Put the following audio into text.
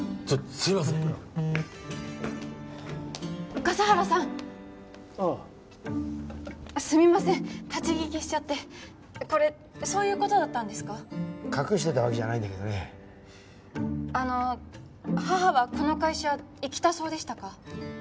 ちょっとすいません笠原さんああすみません立ち聞きしちゃってこれそういうことだったんですか隠してたわけじゃないんだけどねあの母はこの会社行きたそうでしたか？